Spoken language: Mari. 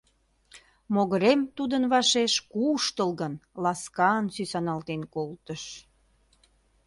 Могырем тудын вашеш куштылгын, ласкан сӱсаналтен колтыш.